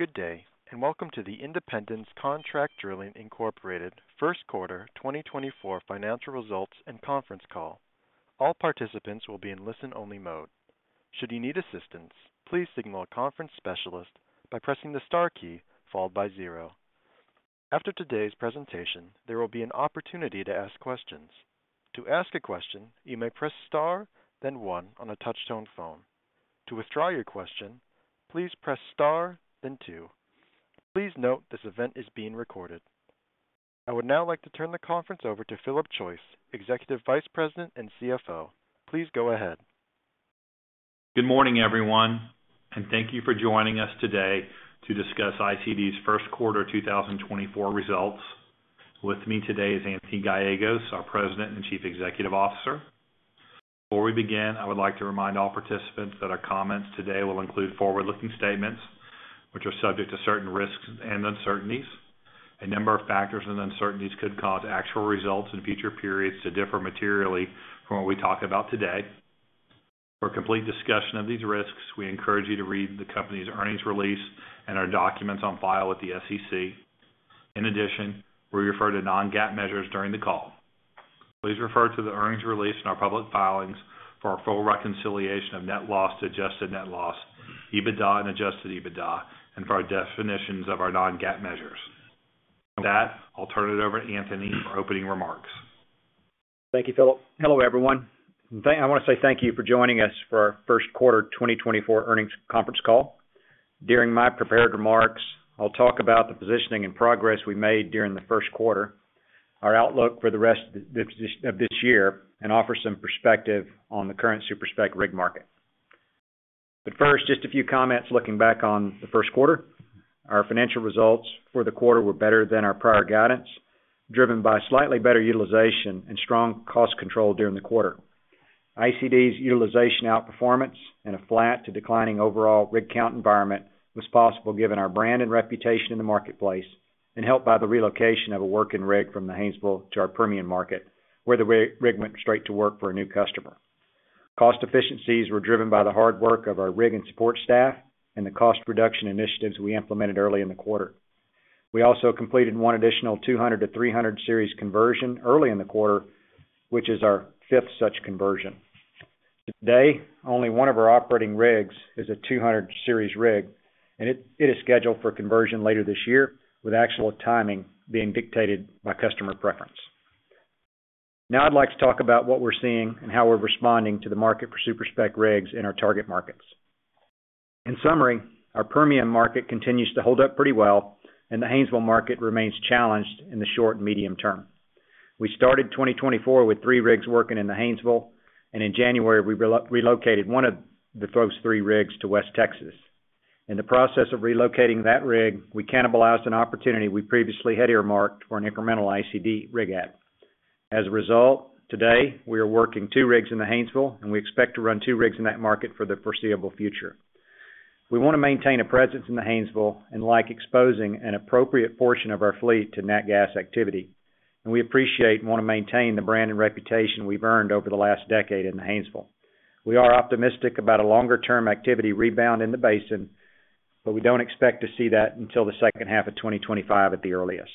Good day, and welcome to the Independence Contract Drilling Incorporated First Quarter 2024 Financial Results and Conference Call. All participants will be in listen-only mode. Should you need assistance, please signal a conference specialist by pressing the star key followed by zero. After today's presentation, there will be an opportunity to ask questions. To ask a question, you may press star, then One on a touchtone phone. To withdraw your question, please press star, then Two. Please note this event is being recorded. I would now like to turn the conference over to Philip Choyce, Executive Vice President and CFO. Please go ahead. Good morning, everyone, and thank you for joining us today to discuss ICD's first quarter 2024 results. With me today is Anthony Gallegos, our President and Chief Executive Officer. Before we begin, I would like to remind all participants that our comments today will include forward-looking statements, which are subject to certain risks and uncertainties. A number of factors and uncertainties could cause actual results in future periods to differ materially from what we talk about today. For a complete discussion of these risks, we encourage you to read the company's earnings release and our documents on file with the SEC. In addition, we refer to non-GAAP measures during the call. Please refer to the earnings release in our public filings for our full reconciliation of net loss to adjusted net loss, EBITDA and adjusted EBITDA, and for our definitions of our non-GAAP measures. With that, I'll turn it over to Anthony for opening remarks. Thank you, Philip. Hello, everyone. I wanna say thank you for joining us for our first quarter 2024 earnings conference call. During my prepared remarks, I'll talk about the positioning and progress we made during the first quarter, our outlook for the rest of this year, and offer some perspective on the current super spec rig market. But first, just a few comments looking back on the first quarter. Our financial results for the quarter were better than our prior guidance, driven by slightly better utilization and strong cost control during the quarter. ICD's utilization outperformance and a flat to declining overall rig count environment was possible given our brand and reputation in the marketplace, and helped by the relocation of a working rig from the Haynesville to our Permian market, where the rig went straight to work for a new customer. Cost efficiencies were driven by the hard work of our rig and support staff and the cost reduction initiatives we implemented early in the quarter. We also completed one additional 200 to 300 Series conversion early in the quarter, which is our fifth such conversion. To date, only one of our operating rigs is a 200 Series rig, and it is scheduled for conversion later this year, with actual timing being dictated by customer preference. Now I'd like to talk about what we're seeing and how we're responding to the market for Super Spec rigs in our target markets. In summary, our Permian market continues to hold up pretty well, and the Haynesville market remains challenged in the short and medium term. We started 2024 with three rigs working in the Haynesville, and in January, we relocated one of those three rigs to West Texas. In the process of relocating that rig, we cannibalized an opportunity we previously had earmarked for an incremental ICD rig add. As a result, today, we are working two rigs in the Haynesville, and we expect to run two rigs in that market for the foreseeable future. We wanna maintain a presence in the Haynesville and like exposing an appropriate portion of our fleet to nat gas activity, and we appreciate and wanna maintain the brand and reputation we've earned over the last decade in the Haynesville. We are optimistic about a longer-term activity rebound in the basin, but we don't expect to see that until the second half of 2025 at the earliest.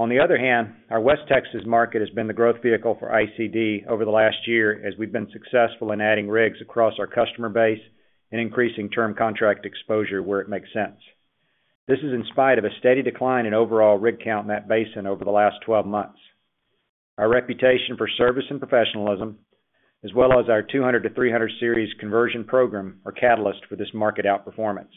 On the other hand, our West Texas market has been the growth vehicle for ICD over the last year, as we've been successful in adding rigs across our customer base and increasing term contract exposure where it makes sense. This is in spite of a steady decline in overall rig count in that basin over the last 12 months. Our reputation for service and professionalism, as well as our 200 to 300 Series conversion program, are catalysts for this market outperformance.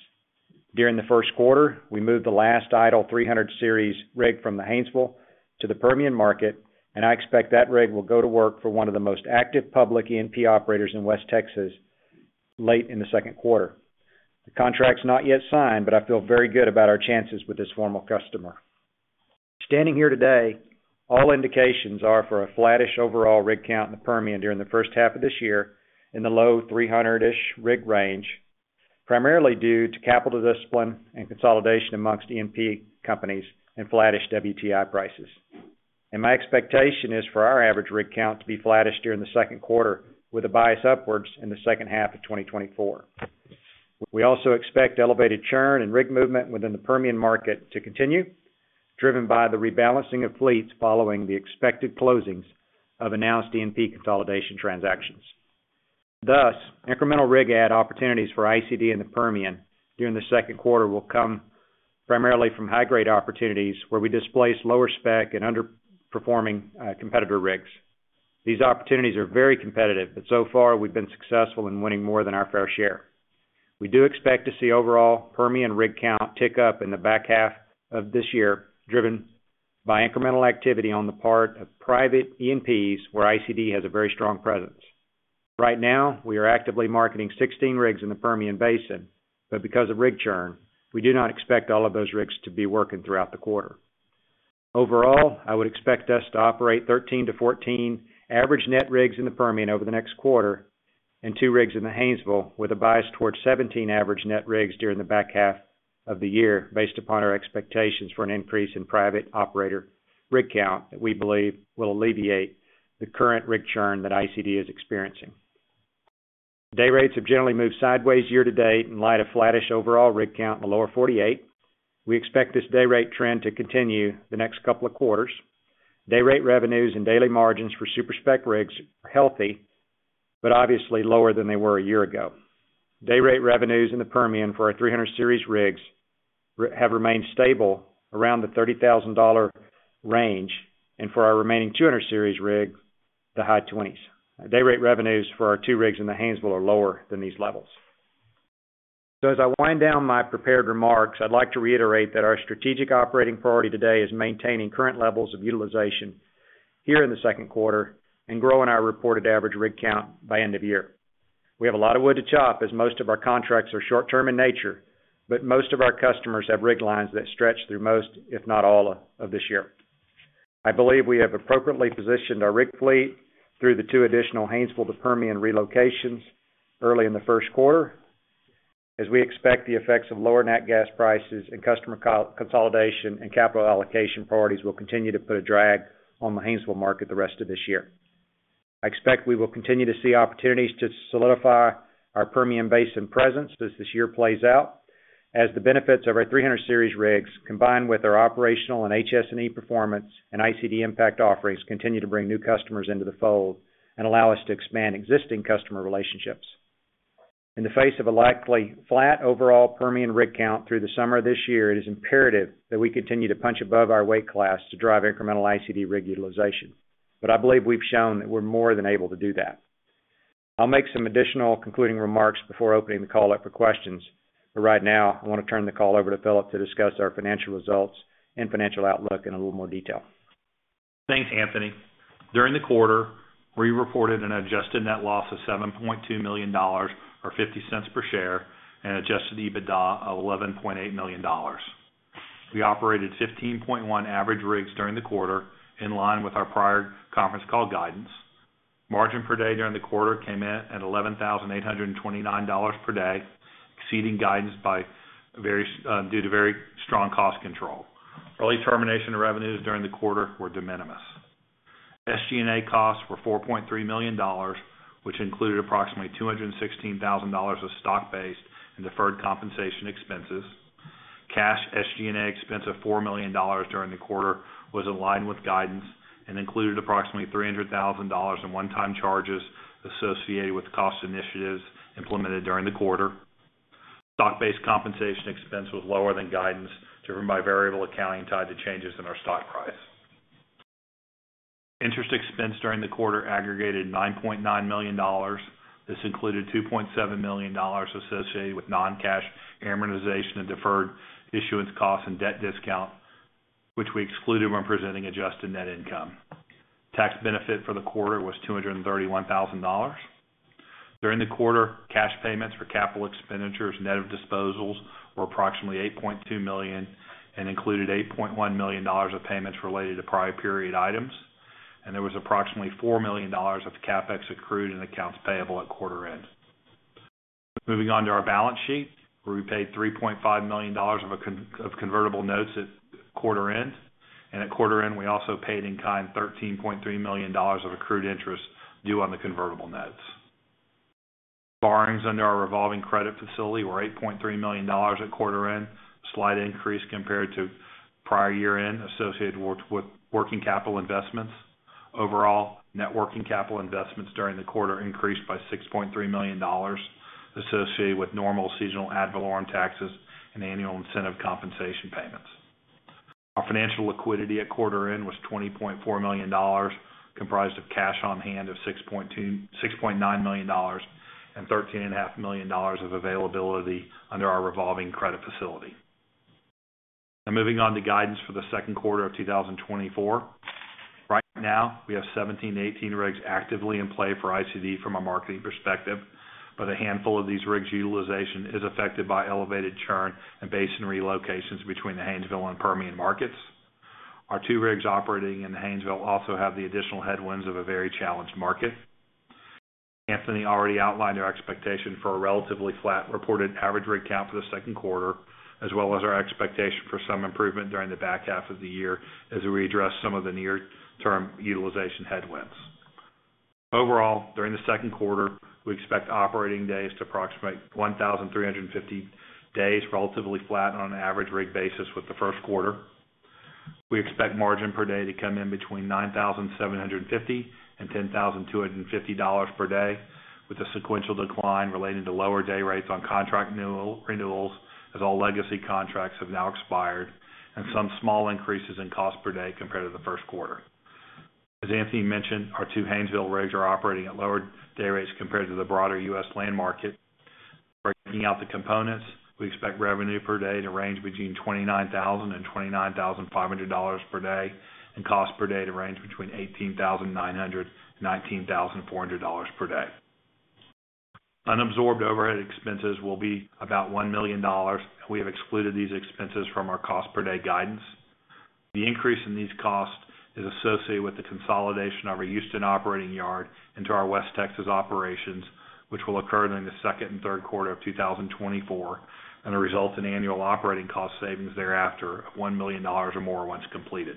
During the first quarter, we moved the last idle 300 Series rig from the Haynesville to the Permian market, and I expect that rig will go to work for one of the most active public E&P operators in West Texas late in the second quarter. The contract's not yet signed, but I feel very good about our chances with this former customer. Standing here today, all indications are for a flattish overall rig count in the Permian during the first half of this year in the low 300-ish rig range, primarily due to capital discipline and consolidation amongst E&P companies and flattish WTI prices. My expectation is for our average rig count to be flattish during the second quarter, with a bias upwards in the second half of 2024. We also expect elevated churn and rig movement within the Permian market to continue, driven by the rebalancing of fleets following the expected closings of announced E&P consolidation transactions. Thus, incremental rig add opportunities for ICD in the Permian during the second quarter will come primarily from high-grade opportunities where we displace lower spec and underperforming competitor rigs. These opportunities are very competitive, but so far, we've been successful in winning more than our fair share. We do expect to see overall Permian rig count tick up in the back half of this year, driven by incremental activity on the part of private E&Ps, where ICD has a very strong presence. Right now, we are actively marketing 16 rigs in the Permian Basin, but because of rig churn, we do not expect all of those rigs to be working throughout the quarter. Overall, I would expect us to operate 13-14 average net rigs in the Permian over the next quarter and two rigs in the Haynesville, with a bias towards 17 average net rigs during the back half of the year, based upon our expectations for an increase in private operator rig count, that we believe will alleviate the current rig churn that ICD is experiencing.... Day rates have generally moved sideways year to date in light of flattish overall rig count in the Lower 48. We expect this day rate trend to continue the next couple of quarters. Day rate revenues and daily margins for Super Spec rigs are healthy, but obviously lower than they were a year ago. Day rate revenues in the Permian for our 300 Series rigs have remained stable around the $30,000 range, and for our remaining 200 Series rig, the high $20,000s. Day rate revenues for our two rigs in the Haynesville are lower than these levels. So as I wind down my prepared remarks, I'd like to reiterate that our strategic operating priority today is maintaining current levels of utilization here in the second quarter and growing our reported average rig count by end of year. We have a lot of wood to chop, as most of our contracts are short-term in nature, but most of our customers have rig lines that stretch through most, if not all, of this year. I believe we have appropriately positioned our rig fleet through the two additional Haynesville to Permian relocations early in the first quarter, as we expect the effects of lower nat gas prices and customer consolidation and capital allocation priorities will continue to put a drag on the Haynesville market the rest of this year. I expect we will continue to see opportunities to solidify our Permian Basin presence as this year plays out, as the benefits of our 300 Series rigs, combined with our operational and HS&E performance and ICD IMPACT offerings, continue to bring new customers into the fold and allow us to expand existing customer relationships. In the face of a likely flat overall Permian rig count through the summer of this year, it is imperative that we continue to punch above our weight class to drive incremental ICD rig utilization, but I believe we've shown that we're more than able to do that. I'll make some additional concluding remarks before opening the call up for questions, but right now, I want to turn the call over to Philip to discuss our financial results and financial outlook in a little more detail. Thanks, Anthony. During the quarter, we reported an adjusted net loss of $7.2 million, or $0.50 per share, and adjusted EBITDA of $11.8 million. We operated 15.1 average rigs during the quarter, in line with our prior conference call guidance. Margin per day during the quarter came in at $11,829 per day, exceeding guidance by very, due to very strong cost control. Early termination of revenues during the quarter were de minimis. SG&A costs were $4.3 million, which included approximately $216,000 of stock-based and deferred compensation expenses. Cash SG&A expense of $4 million during the quarter was in line with guidance and included approximately $300,000 in one-time charges associated with cost initiatives implemented during the quarter. Stock-based compensation expense was lower than guidance, driven by variable accounting tied to changes in our stock price. Interest expense during the quarter aggregated $9.9 million. This included $2.7 million associated with non-cash amortization and deferred issuance costs and debt discount, which we excluded when presenting adjusted net income. Tax benefit for the quarter was $231,000. During the quarter, cash payments for capital expenditures, net of disposals, were approximately $8.2 million and included $8.1 million of payments related to prior period items, and there was approximately $4 million of CapEx accrued in accounts payable at quarter end. Moving on to our balance sheet, where we paid $3.5 million of convertible notes at quarter end, and at quarter end, we also paid in kind $13.3 million of accrued interest due on the convertible notes. Borrows under our revolving credit facility were $8.3 million at quarter end, a slight increase compared to prior year-end, associated with working capital investments. Overall, net working capital investments during the quarter increased by $6.3 million, associated with normal seasonal ad valorem taxes and annual incentive compensation payments. Our financial liquidity at quarter end was $20.4 million, comprised of cash on hand of $6.9 million and $13.5 million of availability under our revolving credit facility. Now moving on to guidance for the second quarter of 2024. Right now, we have 17-18 rigs actively in play for ICD from a marketing perspective, but a handful of these rigs' utilization is affected by elevated churn and basin relocations between the Haynesville and Permian markets. Our two rigs operating in the Haynesville also have the additional headwinds of a very challenged market. Anthony already outlined our expectation for a relatively flat reported average rig count for the second quarter, as well as our expectation for some improvement during the back half of the year as we address some of the near-term utilization headwinds. Overall, during the second quarter, we expect operating days to approximate 1,350 days, relatively flat on an average rig basis with the first quarter. We expect margin per day to come in between $9,750 and $10,250 per day, with a sequential decline related to lower day rates on contract renewals, as all legacy contracts have now expired, and some small increases in cost per day compared to the first quarter. As Anthony mentioned, our two Haynesville rigs are operating at lower day rates compared to the broader U.S. land market. Breaking out the components, we expect revenue per day to range between $29,000 and $29,500 per day, and cost per day to range between $18,900 and $19,400 per day. Unabsorbed overhead expenses will be about $1 million, and we have excluded these expenses from our cost per day guidance. The increase in these costs is associated with the consolidation of our Houston operating yard into our West Texas operations, which will occur during the second and third quarter of 2024, and as a result in annual operating cost savings thereafter of $1 million or more once completed.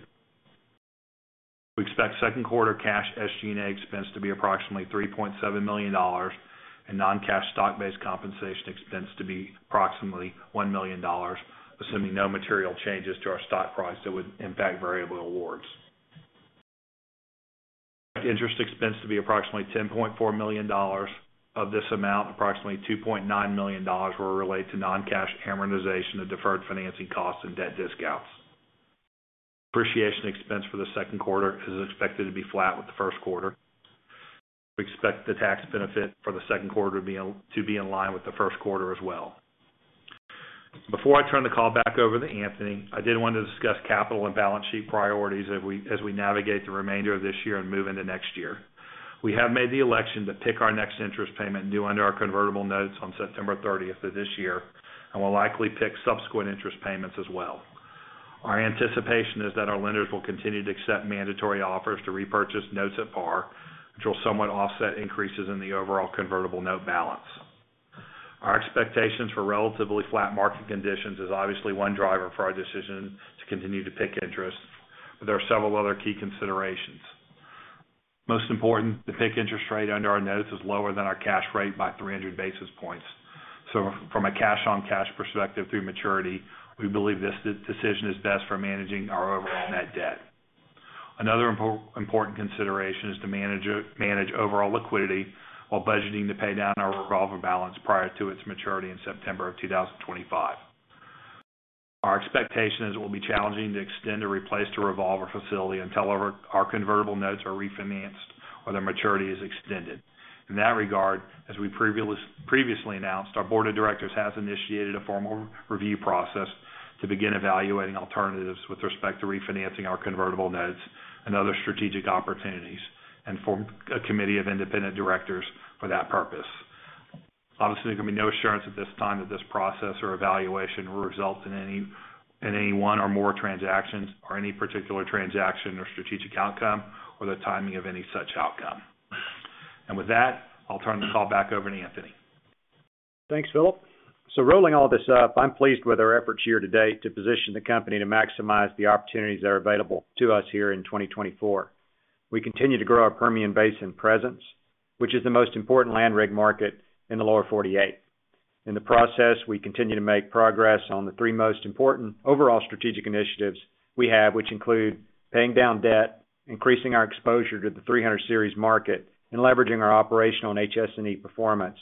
We expect second quarter cash SG&A expense to be approximately $3.7 million, and non-cash stock-based compensation expense to be approximately $1 million, assuming no material changes to our stock price that would impact variable awards. Interest expense to be approximately $10.4 million. Of this amount, approximately $2.9 million were related to non-cash amortization of deferred financing costs and debt discounts. Depreciation expense for the second quarter is expected to be flat with the first quarter. We expect the tax benefit for the second quarter to be in line with the first quarter as well. Before I turn the call back over to Anthony, I did want to discuss capital and balance sheet priorities as we navigate the remainder of this year and move into next year. We have made the election to pick our next interest payment, due under our convertible notes on September thirtieth of this year, and will likely PIK subsequent interest payments as well. Our anticipation is that our lenders will continue to accept mandatory offers to repurchase notes at par, which will somewhat offset increases in the overall convertible note balance. Our expectations for relatively flat market conditions is obviously one driver for our decision to continue to PIK interest, but there are several other key considerations. Most important, the PIK interest rate under our notes is lower than our cash rate by 300 basis points. So from a cash-on-cash perspective through maturity, we believe this decision is best for managing our overall net debt. Another important consideration is to manage overall liquidity while budgeting to pay down our revolver balance prior to its maturity in September 2025. Our expectation is it will be challenging to extend or replace the revolver facility until our convertible notes are refinanced or their maturity is extended. In that regard, as we previously announced, our board of directors has initiated a formal review process to begin evaluating alternatives with respect to refinancing our convertible notes and other strategic opportunities, and form a committee of independent directors for that purpose. Obviously, there can be no assurance at this time that this process or evaluation will result in any one or more transactions or any particular transaction or strategic outcome, or the timing of any such outcome. And with that, I'll turn the call back over to Anthony. Thanks, Philip. So rolling all this up, I'm pleased with our efforts here to date to position the company to maximize the opportunities that are available to us here in 2024. We continue to grow our Permian Basin presence, which is the most important land rig market in the Lower 48. In the process, we continue to make progress on the three most important overall strategic initiatives we have, which include paying down debt, increasing our exposure to the 300 Series market, and leveraging our operational and HS&E performance,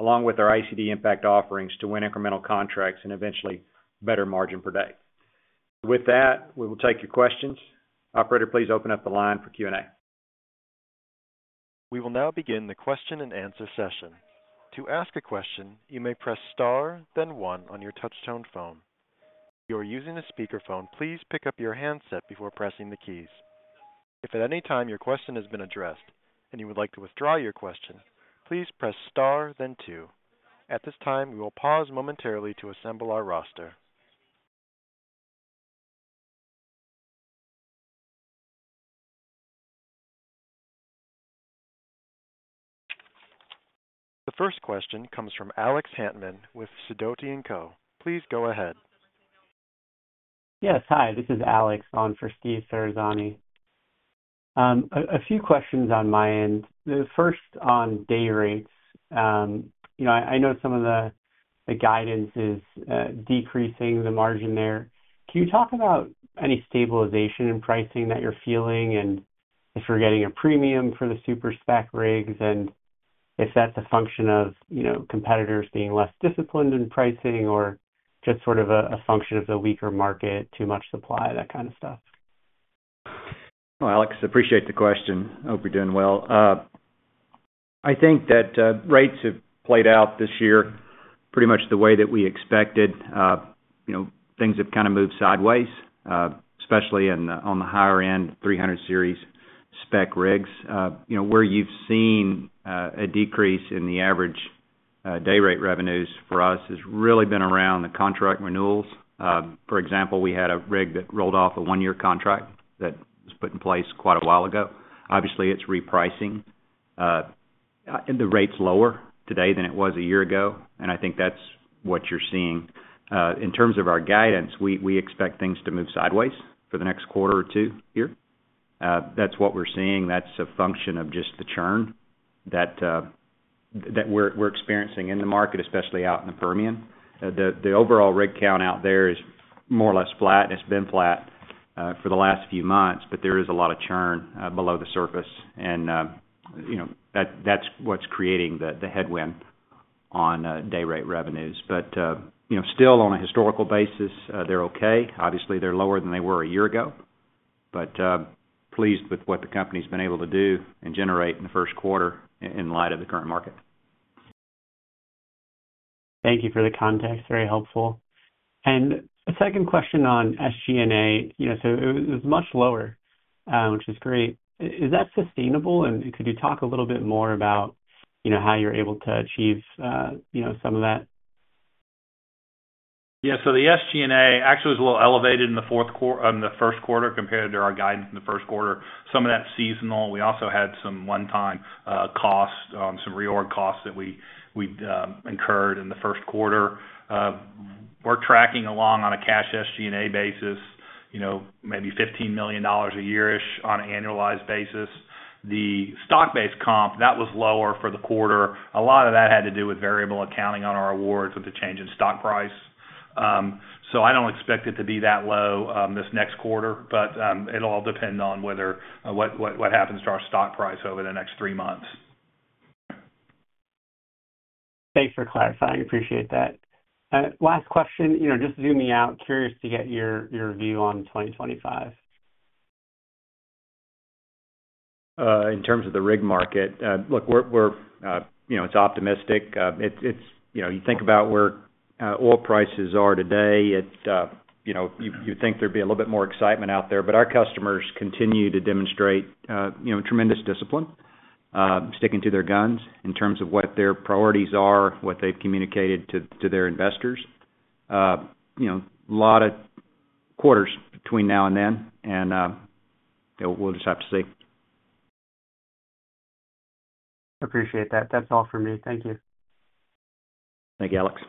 along with our ICD IMPACT offerings, to win incremental contracts and eventually better margin per day. With that, we will take your questions. Operator, please open up the line for Q&A. We will now begin the question-and-answer session. To ask a question, you may press star, then one on your touchtone phone. If you are using a speakerphone, please pick up your handset before pressing the keys. If at any time your question has been addressed and you would like to withdraw your question, please press star, then two. At this time, we will pause momentarily to assemble our roster. The first question comes from Alex Hantman with Sidoti & Co. Please go ahead. Yes. Hi, this is Alex, on for Steve Ferazani. A few questions on my end. The first on day rates. You know, I know some of the guidance is decreasing the margin there. Can you talk about any stabilization in pricing that you're feeling, and if you're getting a premium for the super spec rigs, and if that's a function of, you know, competitors being less disciplined in pricing or just a function of the weaker market, too much supply, that kind of stuff? Well, Alex, appreciate the question. I hope you're doing well. I think that, rates have played out this year pretty much the way that we expected. You know, things have kind of moved sideways, especially in the, on the higher end, 300 Series spec rigs. You know, where you've seen, a decrease in the average, day rate revenues for us has really been around the contract renewals. For example, we had a rig that rolled off a one-year contract that was put in place quite a while ago. Obviously, it's repricing. And the rate's lower today than it was a year ago, and I think that's what you're seeing. In terms of our guidance, we expect things to move sideways for the next quarter or two here. That's what we're seeing. That's a function of just the churn that we're experiencing in the market, especially out in the Permian. The overall rig count out there is more or less flat, and it's been flat for the last few months, but there is a lot of churn below the surface. And you know, that's what's creating the headwind on day rate revenues. But you know, still, on a historical basis, they're okay. Obviously, they're lower than they were a year ago, but pleased with what the company's been able to do and generate in the first quarter in light of the current market. Thank you for the context, very helpful. A second question on SG&A. You know, so it was, it was much lower, which is great. Is that sustainable, and could you talk a little bit more about, you know, how you're able to achieve, you know, some of that? Yeah. So the SG&A actually was a little elevated in the first quarter compared to our guidance in the first quarter. Some of that's seasonal. We also had some one-time costs, some reorg costs that we incurred in the first quarter. We're tracking along on a cash SG&A basis, you know, maybe $15 million a year-ish on an annualized basis. The stock-based comp, that was lower for the quarter. A lot of that had to do with variable accounting on our awards, with the change in stock price. So I don't expect it to be that low this next quarter, but it'll all depend on whether what happens to our stock price over the next three months. Thanks for clarifying. Appreciate that. Last question. You know, just zoom me out. Curious to get your, your view on 2025. In terms of the rig market, look, we're, you know, it's optimistic. You know, you think about where oil prices are today, you know, you think there'd be a little bit more excitement out there. But our customers continue to demonstrate, you know, tremendous discipline, sticking to their guns in terms of what their priorities are, what they've communicated to their investors. You know, a lot of quarters between now and then, and we'll just have to see. Appreciate that. That's all for me. Thank you. Thank you, Alex.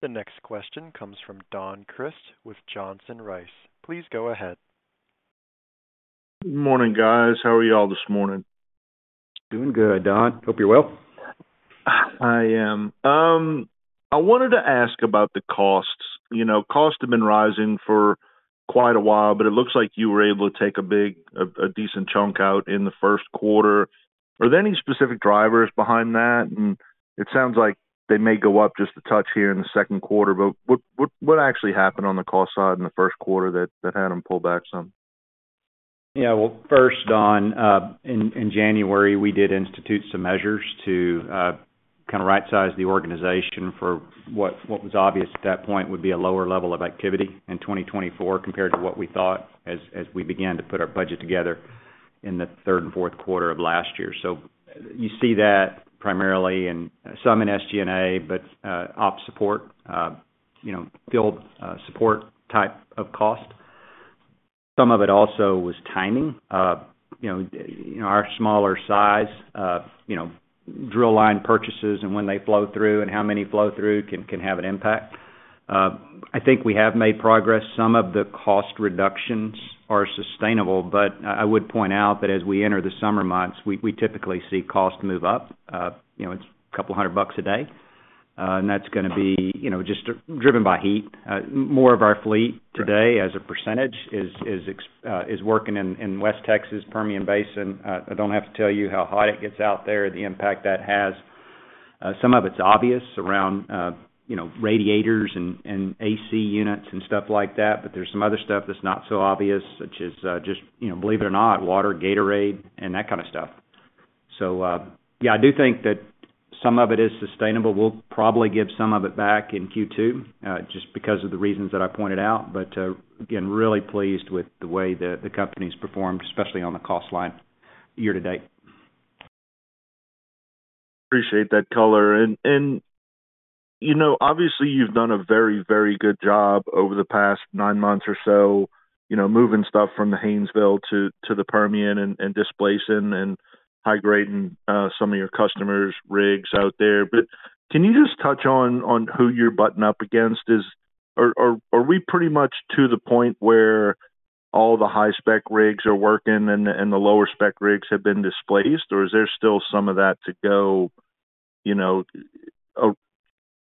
The next question comes from Don Crist with Johnson Rice. Please go ahead. Morning, guys. How are you all this morning? Doing good, Don. Hope you're well. I am. I wanted to ask about the costs. You know, costs have been rising for quite a while, but it looks like you were able to take a big, a decent chunk out in the first quarter. Are there any specific drivers behind that? And it sounds like they may go up just a touch here in the second quarter, but what actually happened on the cost side in the first quarter that had them pull back some? Yeah, well, first, Don, in January, we did institute some measures to kind of rightsize the organization for what was obvious at that point would be a lower level of activity in 2024, compared to what we thought as we began to put our budget together in the third and fourth quarter of last year. So you see that primarily in some SG&A, but op support, you know, field support type of cost. Some of it also was timing. You know, our smaller size, you know, drill line purchases and when they flow through and how many flow through, can have an impact. I think we have made progress. Some of the cost reductions are sustainable, but I would point out that as we enter the summer months, we typically see costs move up. You know, it's $200 a day, and that's gonna be, you know, just driven by heat. More of our fleet today, as a percentage, is working in West Texas, Permian Basin. I don't have to tell you how hot it gets out there, the impact that has. Some of it's obvious, around, you know, radiators and AC units and stuff like that, but there's some other stuff that's not so obvious, such as, just, you know, believe it or not, water, Gatorade, and that kind of stuff. So, yeah, I do think that some of it is sustainable. We'll probably give some of it back in Q2, just because of the reasons that I pointed out. Again, really pleased with the way the company's performed, especially on the cost line year to date. Appreciate that color. You know, obviously, you've done a very, very good job over the past nine months or so, you know, moving stuff from the Haynesville to the Permian and displacing and migrating some of your customers' rigs out there. But can you just touch on who you're buttoned up against? Are we pretty much to the point where all the high-spec rigs are working and the lower-spec rigs have been displaced, or is there still some of that to go, you know,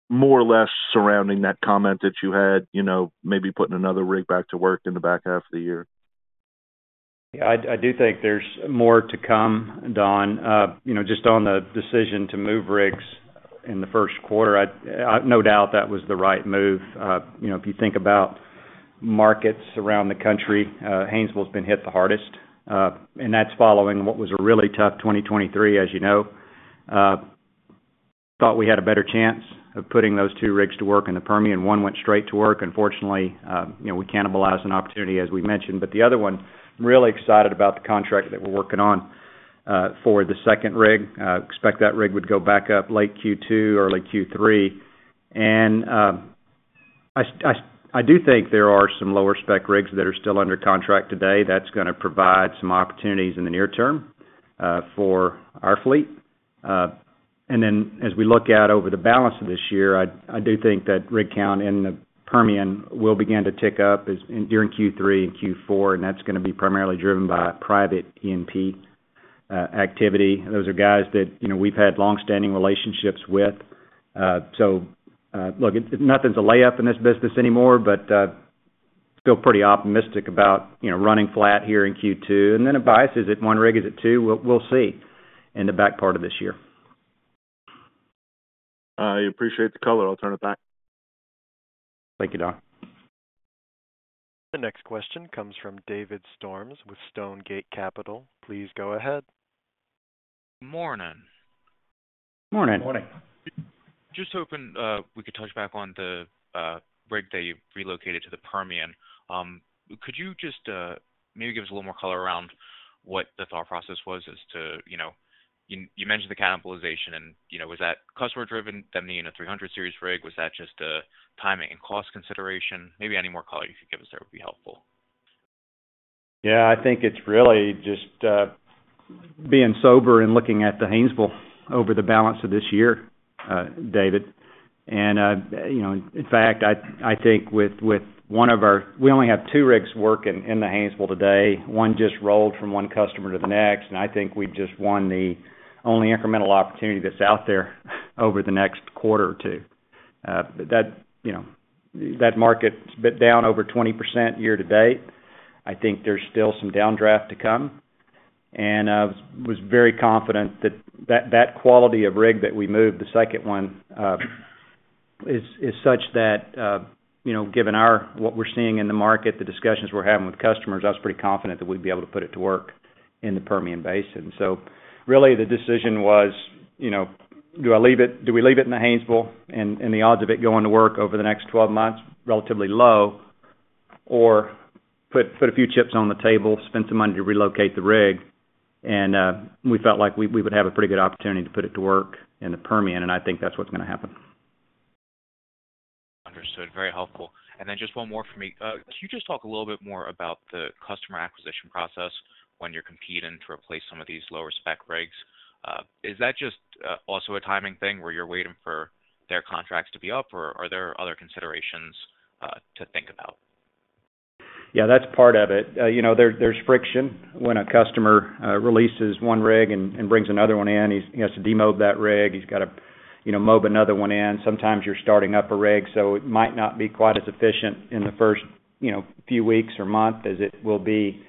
more or less surrounding that comment that you had, you know, maybe putting another rig back to work in the back half of the year? Yeah, I do think there's more to come, Don. You know, just on the decision to move rigs in the first quarter, no doubt that was the right move. You know, if you think about markets around the country, Haynesville's been hit the hardest, and that's following what was a really tough 2023, as you know. Thought we had a better chance of putting those two rigs to work in the Permian. One went straight to work. Unfortunately, you know, we cannibalized an opportunity, as we mentioned. But the other one, I'm really excited about the contract that we're working on, for the second rig. Expect that rig would go back up late Q2 or late Q3. And, I do think there are some lower-spec rigs that are still under contract today. That's gonna provide some opportunities in the near term for our fleet. And then, as we look out over the balance of this year, I do think that rig count in the Permian will begin to tick up during Q3 and Q4, and that's gonna be primarily driven by private E&P activity. Those are guys that, you know, we've had long-standing relationships with. So, look, nothing's a layup in this business anymore, but feel pretty optimistic about, you know, running flat here in Q2. And then add, is it 1 rig, is it 2? We'll see in the back part of this year. I appreciate the color. I'll turn it back. Thank you, Don. The next question comes from David Storms with Stonegate Capital. Please go ahead. Morning. Morning. Morning. Just hoping we could touch back on the rig that you've relocated to the Permian. Could you just maybe give us a little more color around what the thought process was as to, you know... You mentioned the cannibalization and, you know, was that customer driven, them needing a 300 Series rig? Was that just a timing and cost consideration? Maybe any more color you could give us there would be helpful. Yeah, I think it's really just being sober and looking at the Haynesville over the balance of this year, David. And you know, in fact, I think with one of our—we only have two rigs working in the Haynesville today. One just rolled from one customer to the next, and I think we've just won the only incremental opportunity that's out there over the next quarter or two. You know, that market's been down over 20% year to date. I think there's still some downdraft to come, and was very confident that that quality of rig that we moved, the second one, is such that, you know, given what we're seeing in the market, the discussions we're having with customers, I was pretty confident that we'd be able to put it to work in the Permian Basin. So really, the decision was, you know, do I leave it, do we leave it in the Haynesville, and the odds of it going to work over the next 12 months, relatively low, or put a few chips on the table, spend some money to relocate the rig? And we felt like we would have a pretty good opportunity to put it to work in the Permian, and I think that's what's gonna happen. Understood. Very helpful. And then just one more for me. Can you just talk a little bit more about the customer acquisition process when you're competing to replace some of these lower-spec rigs? Is that just, also a timing thing, where you're waiting for their contracts to be up, or are there other considerations, to think about? Yeah, that's part of it. You know, there, there's friction when a customer releases one rig and brings another one in. He has to demob that rig. He's got to, you know, mob another one in. Sometimes you're starting up a rig, so it might not be quite as efficient in the first, you know, few weeks or month as it will be, you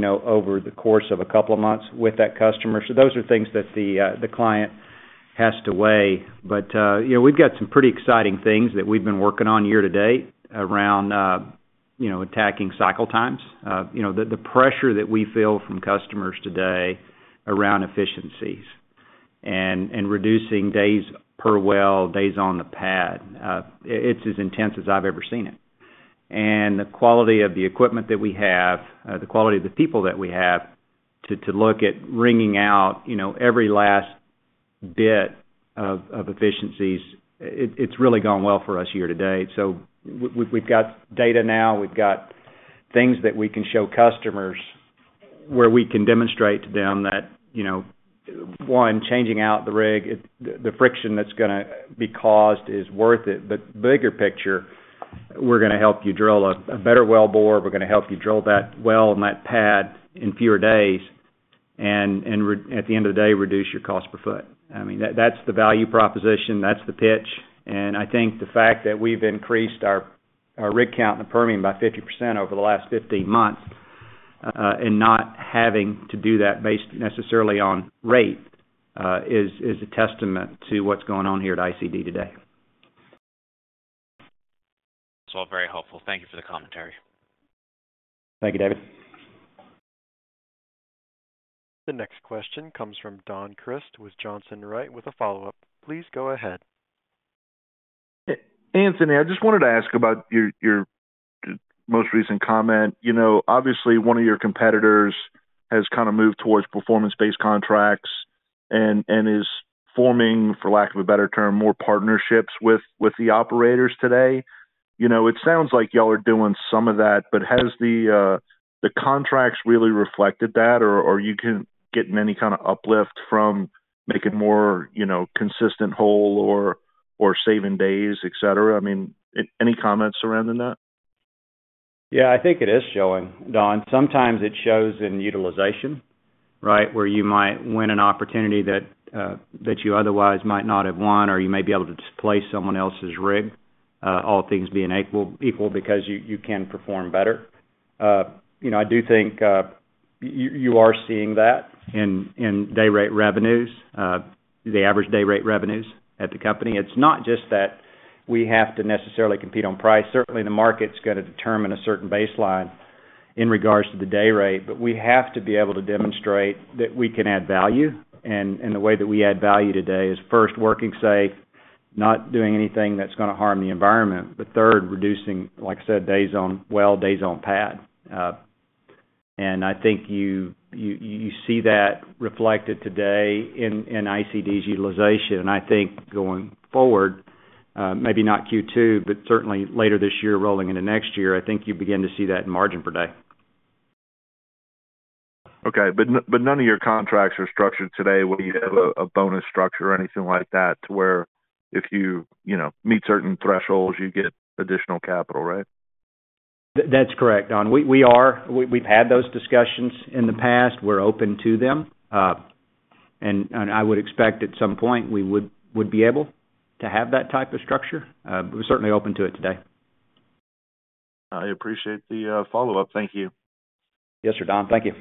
know, over the course of a couple of months with that customer. So those are things that the client has to weigh. But, you know, we've got some pretty exciting things that we've been working on year to date around, you know, attacking cycle times. You know, the pressure that we feel from customers today around efficiencies and reducing days per well, days on the pad, it's as intense as I've ever seen it. And the quality of the equipment that we have, the quality of the people that we have, to look at wringing out, you know, every last bit of efficiencies, it's really gone well for us year to date. So we've got data now. We've got things that we can show customers where we can demonstrate to them that, you know, changing out the rig, the friction that's gonna be caused is worth it. But bigger picture, we're gonna help you drill a better wellbore. We're gonna help you drill that well in that pad in fewer days and at the end of the day, reduce your cost per foot. I mean, that's the value proposition, that's the pitch. I think the fact that we've increased our rig count in the Permian by 50% over the last 15 months, and not having to do that based necessarily on rate, is a testament to what's going on here at ICD today. It's all very helpful. Thank you for the commentary. Thank you, David. The next question comes from Don Crist with Johnson Rice, with a follow-up. Please go ahead. Anthony, I just wanted to ask about your most recent comment. You know, obviously, one of your competitors has kind of moved towards performance-based contracts and is forming, for lack of a better term, more partnerships with the operators today. You know, it sounds like y'all are doing some of that, but has the contracts really reflected that? Or you can get any kind of uplift from making more, you know, consistent whole or saving days, et cetera? I mean, any comments around in that? Yeah, I think it is showing, Don. Sometimes it shows in utilization, right? Where you might win an opportunity that, that you otherwise might not have won, or you may be able to displace someone else's rig, all things being equal, equal, because you, you can perform better. You know, I do think, you, you are seeing that in, in day rate revenues, the average day rate revenues at the company. It's not just that we have to necessarily compete on price. Certainly, the market's gonna determine a certain baseline in regards to the day rate, but we have to be able to demonstrate that we can add value. And, and the way that we add value today is first, working safe, not doing anything that's gonna harm the environment, but third, reducing, like I said, days on well, days on pad. And I think you see that reflected today in ICD's utilization. I think going forward, maybe not Q2, but certainly later this year, rolling into next year, I think you begin to see that in margin per day. Okay. But none of your contracts are structured today, where you have a bonus structure or anything like that, to where if you, you know, meet certain thresholds, you get additional capital, right? That's correct, Don. We've had those discussions in the past. We're open to them, and I would expect, at some point, we would be able to have that type of structure. But we're certainly open to it today. I appreciate the follow-up. Thank you. Yes, sir, Don. Thank you.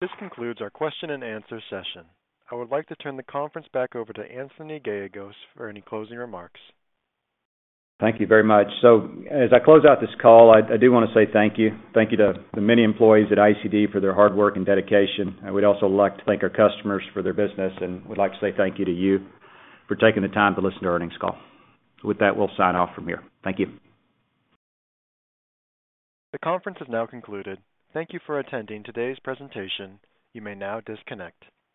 This concludes our question and answer session. I would like to turn the conference back over to Anthony Gallegos for any closing remarks. Thank you very much. So as I close out this call, I do wanna say thank you. Thank you to the many employees at ICD for their hard work and dedication. I would also like to thank our customers for their business, and would like to say thank you to you for taking the time to listen to our earnings call. With that, we'll sign off from here. Thank you. The conference has now concluded. Thank you for attending today's presentation. You may now disconnect.